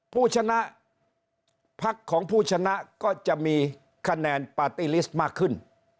ผู้ชนะพักของผู้ชนะก็จะมีคะแนนปาร์ตี้ลิสต์มากขึ้น